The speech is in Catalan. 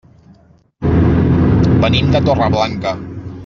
Venim de Torreblanca.